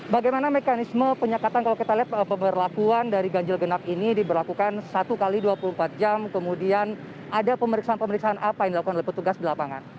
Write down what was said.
bagaimana mekanisme penyekatan kalau kita lihat pemberlakuan dari ganjil genap ini diberlakukan satu x dua puluh empat jam kemudian ada pemeriksaan pemeriksaan apa yang dilakukan oleh petugas di lapangan